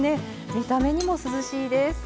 見た目にも涼しいです。